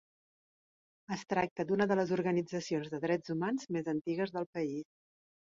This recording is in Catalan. Es tracta d'una de les organitzacions de drets humans més antigues del país.